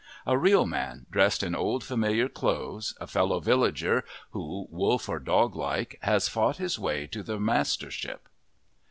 A real man, dressed in old familiar clothes, a fellow villager, who, wolf or dog like, has fought his way to the mastership.